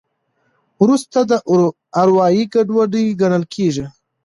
وروسته دا اروایي ګډوډي ګڼل کېږي.